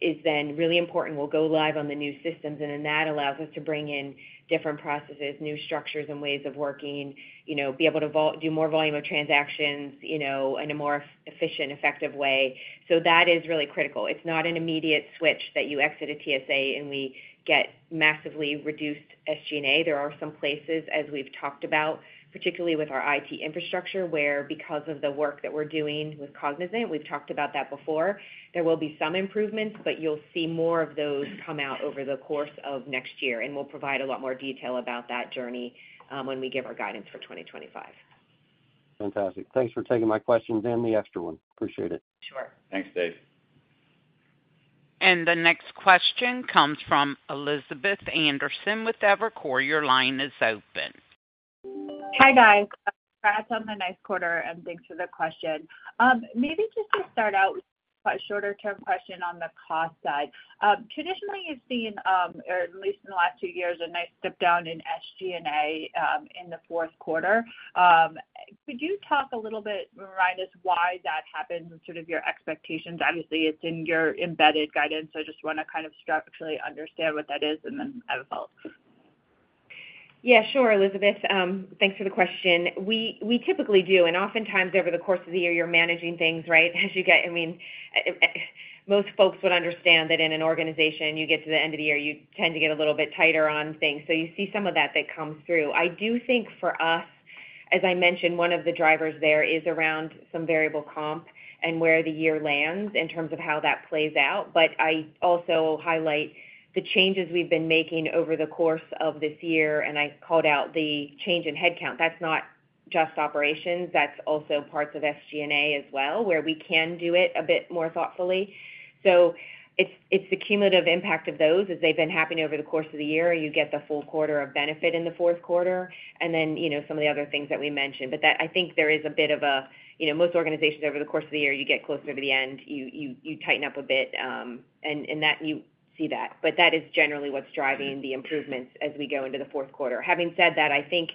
is then really important. We'll go live on the new systems, and then that allows us to bring in different processes, new structures, and ways of working, be able to do more volume of transactions in a more efficient, effective way. So that is really critical. It's not an immediate switch that you exit a TSA and we get massively reduced SG&A. There are some places, as we've talked about, particularly with our IT infrastructure, where because of the work that we're doing with Cognizant, we've talked about that before, there will be some improvements, but you'll see more of those come out over the course of next year, and we'll provide a lot more detail about that journey when we give our guidance for 2025. Fantastic. Thanks for taking my questions and the extra one. Appreciate it. Sure. Thanks, Dave. And the next question comes from Elizabeth Anderson with Evercore. Your line is open. Hi guys. Glad it's on the next quarter and thanks for the question. Maybe just to start out with a shorter-term question on the cost side. Traditionally, you've seen, or at least in the last two years, a nice step down in SG&A in the fourth quarter. Could you talk a little bit, remind us why that happened and sort of your expectations? Obviously, it's in your embedded guidance, so I just want to kind of structurally understand what that is and then have a follow-up. Yeah, sure, Elizabeth. Thanks for the question. We typically do, and oftentimes over the course of the year, you're managing things, right, as you get, I mean, most folks would understand that in an organization, you get to the end of the year, you tend to get a little bit tighter on things. So you see some of that comes through. I do think for us, as I mentioned, one of the drivers there is around some variable comp and where the year lands in terms of how that plays out. But I also highlight the changes we've been making over the course of this year, and I called out the change in headcount. That's not just operations. That's also parts of SG&A as well, where we can do it a bit more thoughtfully. So it's the cumulative impact of those as they've been happening over the course of the year, and you get the full quarter of benefit in the fourth quarter, and then some of the other things that we mentioned. But I think there is a bit of a, most organizations over the course of the year, you get closer to the end, you tighten up a bit, and you see that. But that is generally what's driving the improvements as we go into the fourth quarter. Having said that, I think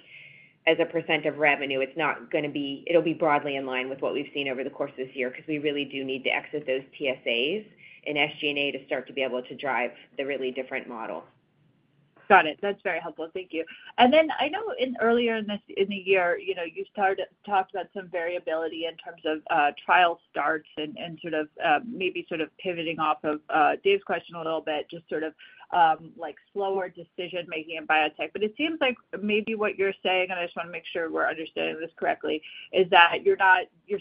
as a percent of revenue, it's not going to be. It'll be broadly in line with what we've seen over the course of this year because we really do need to exit those TSAs and SG&A to start to be able to drive the really different model. Got it. That's very helpful. Thank you. And then I know earlier in the year you talked about some variability in terms of trial starts and sort of maybe sort of pivoting off of Dave's question a little bit, just sort of slower decision-making in biotech. But it seems like maybe what you're saying, and I just want to make sure we're understanding this correctly, is that you're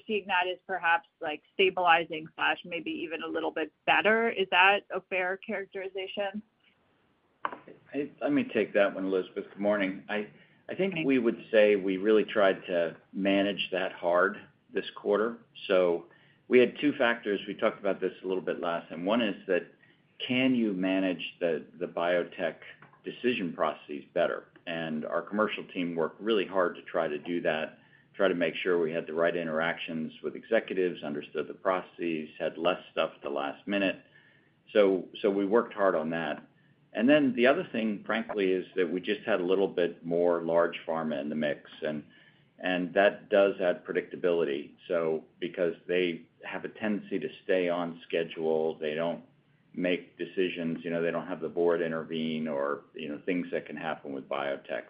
seeing that as perhaps stabilizing, maybe even a little bit better. Is that a fair characterization? Let me take that one, Elizabeth. Good morning. I think we would say we really tried to manage that hard this quarter, so we had two factors. We talked about this a little bit last time. One is that can you manage the biotech decision processes better? And our commercial team worked really hard to try to do that, try to make sure we had the right interactions with executives, understood the processes, had less stuff at the last minute, so we worked hard on that, and then the other thing, frankly, is that we just had a little bit more large pharma in the mix, and that does add predictability, so because they have a tendency to stay on schedule, they don't make decisions, they don't have the board intervene, or things that can happen with biotechs.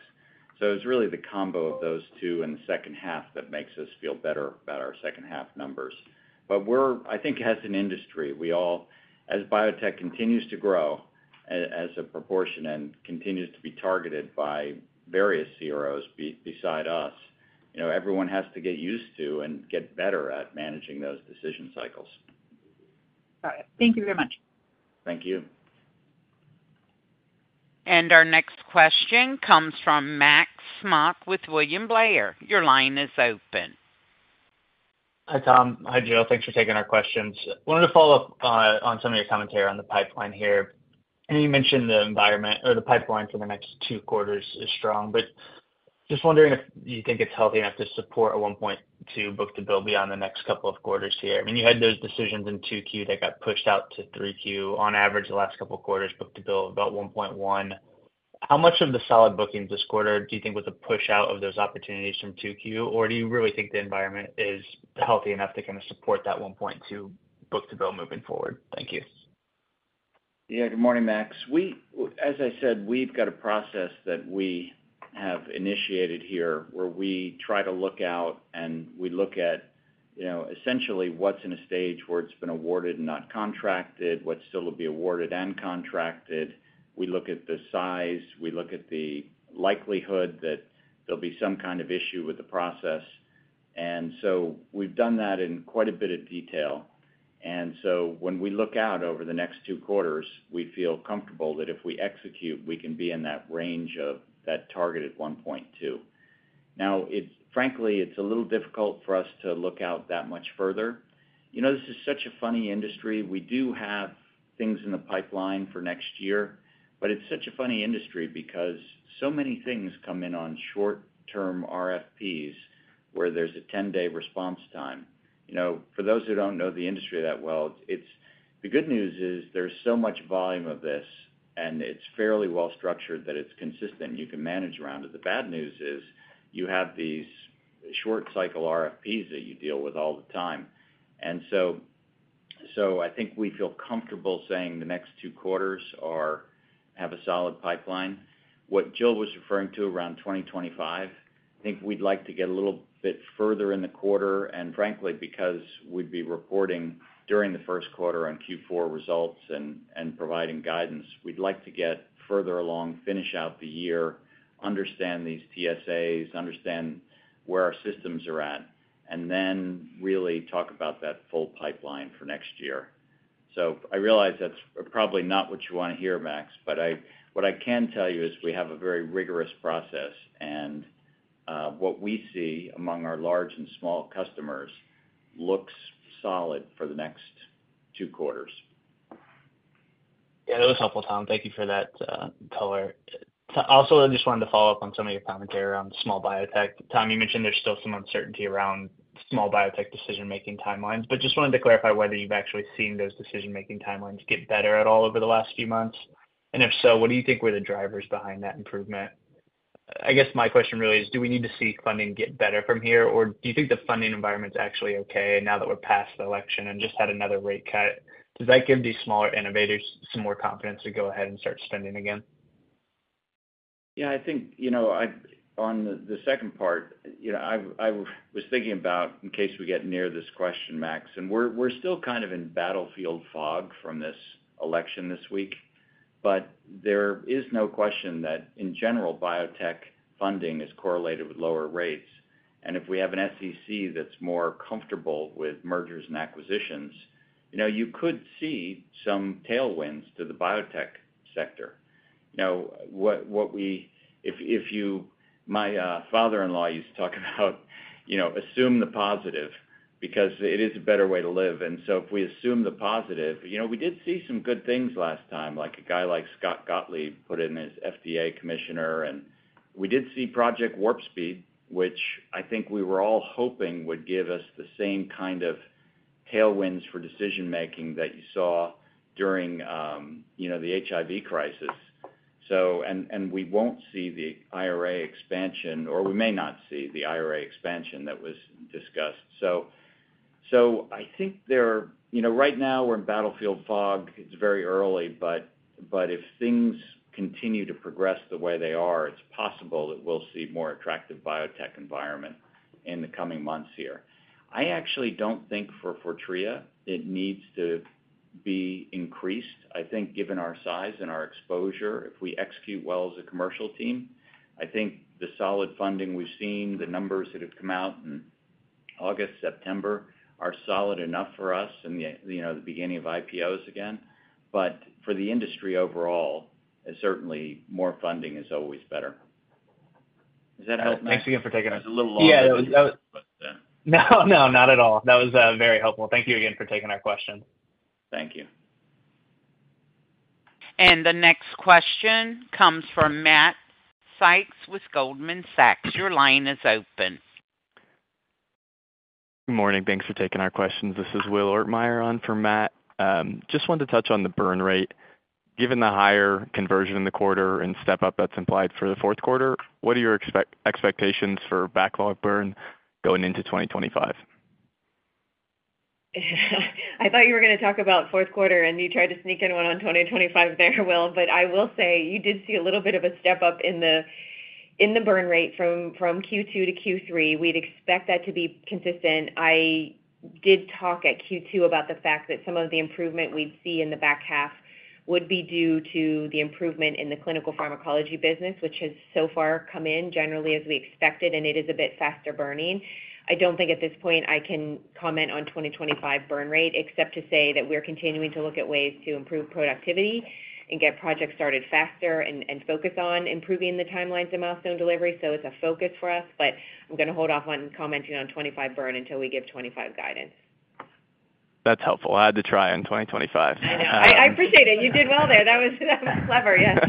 So it's really the combo of those two and the second half that makes us feel better about our second half numbers. But I think as an industry, as biotech continues to grow as a proportion and continues to be targeted by various CROs beside us, everyone has to get used to and get better at managing those decision cycles. Got it. Thank you very much. Thank you. And our next question comes from Max Smock with William Blair. Your line is open. Hi, Tom. Hi, Jill. Thanks for taking our questions. I wanted to follow up on some of your commentary on the pipeline here. And you mentioned the environment or the pipeline for the next two quarters is strong. But just wondering if you think it's healthy enough to support a 1.2x book-to-bill beyond the next couple of quarters here. I mean, you had those decisions in 2Q that got pushed out to 3Q. On average, the last couple of quarters book-to-bill about 1.1x. How much of the solid bookings this quarter do you think was a push out of those opportunities from 2Q, or do you really think the environment is healthy enough to kind of support that 1.2x book-to-bill moving forward? Thank you. Yeah. Good morning, Max. As I said, we've got a process that we have initiated here where we try to look out, and we look at essentially what's in a stage where it's been awarded and not contracted, what's still to be awarded and contracted. We look at the size. We look at the likelihood that there'll be some kind of issue with the process. And so we've done that in quite a bit of detail. And so, when we look out over the next two quarters, we feel comfortable that if we execute, we can be in that range of that targeted 1.2x. Now, frankly, it's a little difficult for us to look out that much further. This is such a funny industry. We do have things in the pipeline for next year, but it's such a funny industry because so many things come in on short-term RFPs where there's a 10-day response time. For those who don't know the industry that well, the good news is there's so much volume of this, and it's fairly well structured that it's consistent and you can manage around it. The bad news is you have these short-cycle RFPs that you deal with all the time. And so I think we feel comfortable saying the next two quarters have a solid pipeline. What Jill was referring to around 2025, I think we'd like to get a little bit further in the quarter. And frankly, because we'd be reporting during the first quarter on Q4 results and providing guidance, we'd like to get further along, finish out the year, understand these TSAs, understand where our systems are at, and then really talk about that full pipeline for next year. So I realize that's probably not what you want to hear, Max, but what I can tell you is we have a very rigorous process, and what we see among our large and small customers looks solid for the next two quarters. Yeah. That was helpful, Tom. Thank you for that color. Also, I just wanted to follow up on some of your commentary around small biotech. Tom, you mentioned there's still some uncertainty around small biotech decision-making timelines, but just wanted to clarify whether you've actually seen those decision-making timelines get better at all over the last few months. And if so, what do you think were the drivers behind that improvement? I guess my question really is, do we need to see funding get better from here, or do you think the funding environment's actually okay now that we're past the election and just had another rate cut? Does that give these smaller innovators some more confidence to go ahead and start spending again? Yeah. I think on the second part, I was thinking about in case we get near this question, Max, and we're still kind of in battlefield fog from this election this week, but there is no question that, in general, biotech funding is correlated with lower rates. And if we have an SEC that's more comfortable with mergers and acquisitions, you could see some tailwinds to the biotech sector. If you, my father-in-law used to talk about "assume the positive" because it is a better way to live. And so if we assume the positive, we did see some good things last time, like a guy like Scott Gottlieb put in as FDA Commissioner. And we did see Operation Warp Speed, which I think we were all hoping would give us the same kind of tailwinds for decision-making that you saw during the HIV crisis. And we won't see the IRA expansion, or we may not see the IRA expansion that was discussed. So I think right now we're in battlefield fog. It's very early, but if things continue to progress the way they are, it's possible that we'll see more attractive biotech environment in the coming months here. I actually don't think for Fortrea it needs to be increased. I think given our size and our exposure, if we execute well as a commercial team, I think the solid funding we've seen, the numbers that have come out in August, September are solid enough for us and the beginning of IPOs again. But for the industry overall, certainly more funding is always better. Does that help, Max? Thanks again for taking our—that was a little long. Yeah. That was—no, no, not at all. That was very helpful. Thank you again for taking our question. Thank you. And the next question comes from Matt Sykes with Goldman Sachs. Your line is open. Good morning. Thanks for taking our questions. This is Will Ortmayer on for Matt. Just wanted to touch on the burn rate. Given the higher conversion in the quarter and step-up that's implied for the fourth quarter, what are your expectations for backlog burn going into 2025? I thought you were going to talk about fourth quarter, and you tried to sneak in one on 2025 there, Will, but I will say you did see a little bit of a step-up in the burn rate from Q2 to Q3. We'd expect that to be consistent. I did talk at Q2 about the fact that some of the improvement we'd see in the back half would be due to the improvement in the clinical pharmacology business, which has so far come in generally as we expected, and it is a bit faster burning. I don't think at this point I can comment on 2025 burn rate except to say that we're continuing to look at ways to improve productivity and get projects started faster and focus on improving the timelines and milestone delivery. So it's a focus for us, but I'm going to hold off on commenting on 2025 burn until we give 2025 guidance. That's helpful. I'll have to try in 2025. I know. I appreciate it. You did well there. That was clever, yes.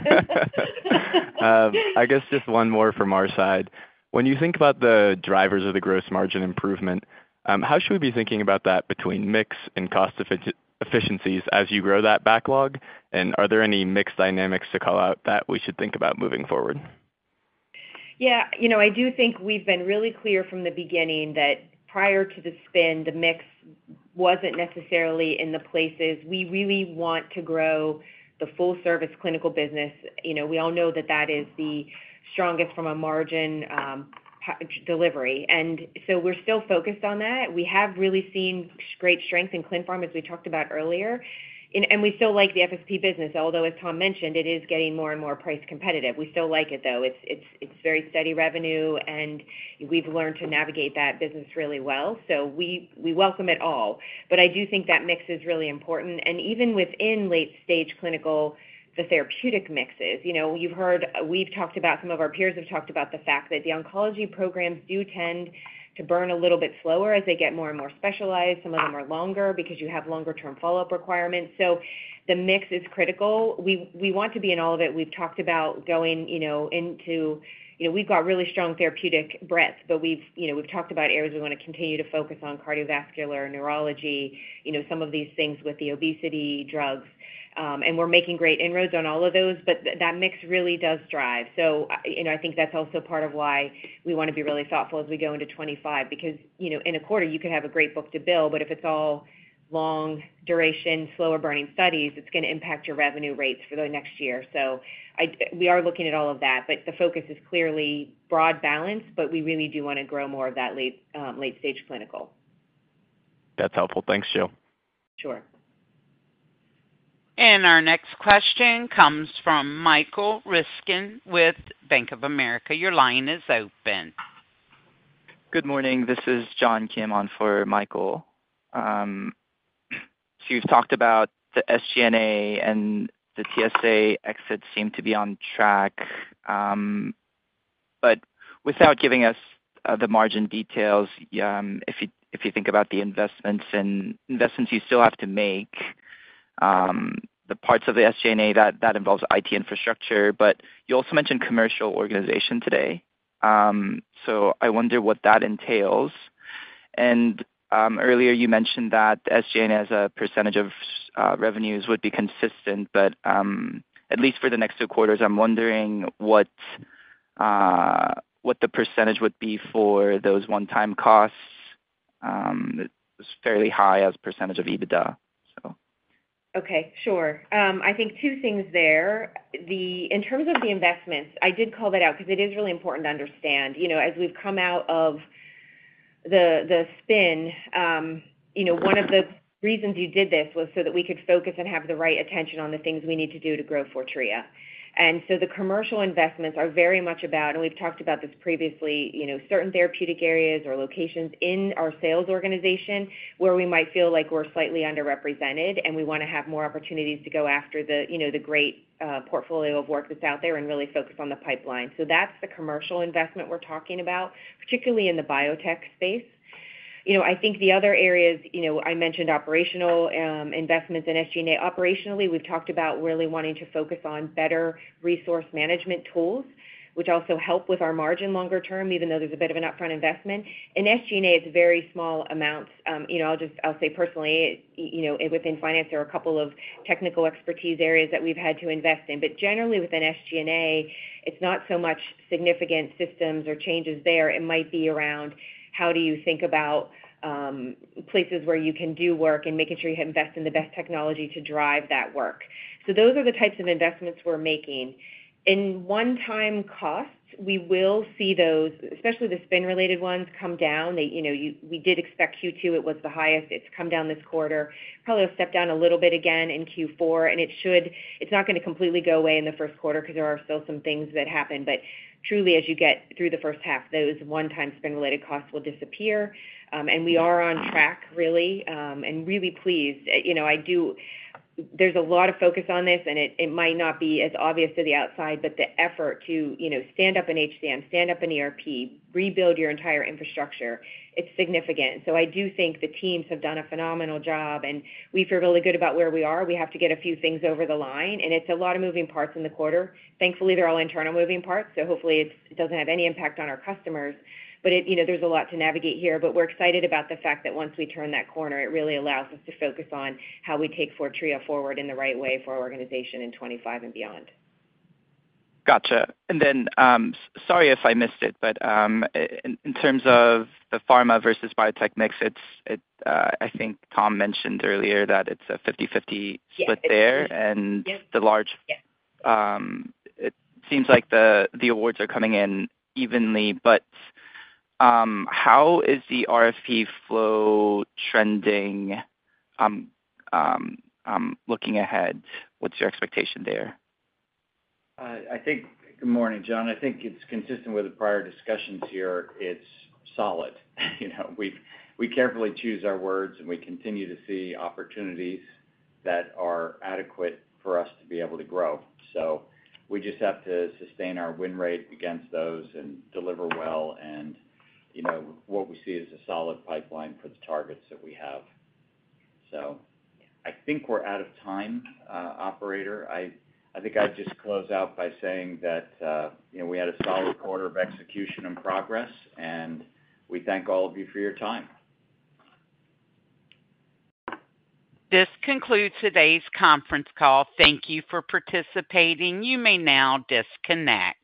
I guess just one more from our side. When you think about the drivers of the gross margin improvement, how should we be thinking about that between mix and cost efficiencies as you grow that backlog? And are there any mix dynamics to call out that we should think about moving forward? Yeah. I do think we've been really clear from the beginning that prior to the spin, the mix wasn't necessarily in the places we really want to grow the full-service clinical business. We all know that that is the strongest from a margin delivery. And so we're still focused on that. We have really seen great strength in Clinpharm, as we talked about earlier. And we still like the FSP business, although, as Tom mentioned, it is getting more and more price competitive. We still like it, though. It's very steady revenue, and we've learned to navigate that business really well. So we welcome it all. But I do think that mix is really important. And even within late-stage clinical, the therapeutic mixes, we've talked about some of our peers have talked about the fact that the oncology programs do tend to burn a little bit slower as they get more and more specialized. Some of them are longer because you have longer-term follow-up requirements. So the mix is critical. We want to be in all of it. We've talked about going into, we've got really strong therapeutic breadth, but we've talked about areas we want to continue to focus on: cardiovascular, neurology, some of these things with the obesity drugs. And we're making great inroads on all of those, but that mix really does drive. So I think that's also part of why we want to be really thoughtful as we go into 2025 because in a quarter, you could have a great book-to-bill, but if it's all long-duration, slower-burning studies, it's going to impact your revenue rates for the next year. So we are looking at all of that, but the focus is clearly broad balance, but we really do want to grow more of that late-stage clinical. That's helpful. Thanks, Jill. Sure. And our next question comes from Michael Ryskin with Bank of America. Your line is open. Good morning. This is John Kim on for Michael. So you've talked about the SG&A and the TSA exits seem to be on track. But without giving us the margin details, if you think about the investments you still have to make, the parts of the SG&A that involves IT infrastructure, but you also mentioned commercial organization today. So I wonder what that entails. And earlier, you mentioned that the SG&A as a percentage of revenues would be consistent, but at least for the next two quarters, I'm wondering what the percentage would be for those one-time costs. It was fairly high as a percentage of EBITDA, so. Okay. Sure. I think two things there. In terms of the investments, I did call that out because it is really important to understand. As we've come out of the spin, one of the reasons you did this was so that we could focus and have the right attention on the things we need to do to grow Fortrea. And so the commercial investments are very much about, and we've talked about this previously, certain therapeutic areas or locations in our sales organization where we might feel like we're slightly underrepresented, and we want to have more opportunities to go after the great portfolio of work that's out there and really focus on the pipeline. So that's the commercial investment we're talking about, particularly in the biotech space. I think the other areas I mentioned operational investments in SG&A. Operationally, we've talked about really wanting to focus on better resource management tools, which also help with our margin longer term, even though there's a bit of an upfront investment. In SG&A, it's very small amounts. I'll say personally, within finance, there are a couple of technical expertise areas that we've had to invest in. But generally, within SG&A, it's not so much significant systems or changes there. It might be around how do you think about places where you can do work and making sure you invest in the best technology to drive that work. So those are the types of investments we're making. In one-time costs, we will see those, especially the spin-related ones, come down. We did expect Q2 it was the highest. It's come down this quarter. Probably will step down a little bit again in Q4. And it's not going to completely go away in the first quarter because there are still some things that happen. But truly, as you get through the first half, those one-time spin-related costs will disappear. And we are on track, really, and really pleased. There's a lot of focus on this, and it might not be as obvious to the outside, but the effort to stand up an HCM, stand up an ERP, rebuild your entire infrastructure, it's significant. So I do think the teams have done a phenomenal job, and we feel really good about where we are. We have to get a few things over the line, and it's a lot of moving parts in the quarter. Thankfully, they're all internal moving parts, so hopefully, it doesn't have any impact on our customers. But there's a lot to navigate here. But we're excited about the fact that once we turn that corner, it really allows us to focus on how we take Fortrea forward in the right way for our organization in 2025 and beyond. Gotcha. And then sorry if I missed it, but in terms of the pharma versus biotech mix, I think Tom mentioned earlier that it's a 50/50 split there. And it seems like the awards are coming in evenly. But how is the RFP flow trending looking ahead? What's your expectation there? Good morning, John. I think it's consistent with the prior discussions here. It's solid. We carefully choose our words, and we continue to see opportunities that are adequate for us to be able to grow. So we just have to sustain our win rate against those and deliver well and what we see as a solid pipeline for the targets that we have. So I think we're out of time, operator. I think I'd just close out by saying that we had a solid quarter of execution and progress, and we thank all of you for your time. This concludes today's conference call. Thank you for participating. You may now disconnect.